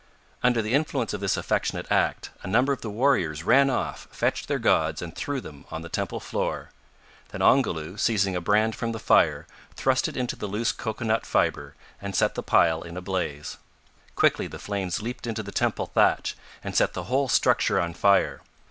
Under the influence of this affectionate act, a number of the warriors ran off, fetched their gods, and threw them on the temple floor. Then Ongoloo, seizing a brand from the fire, thrust it into the loose cocoa nut fibre, and set the pile in a blaze. Quickly the flames leaped into the temple thatch, and set the whole structure on fire.